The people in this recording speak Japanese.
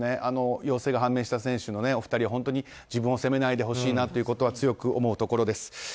陽性が判明した選手のお二人自分を責めないでほしいなと強く思うところです。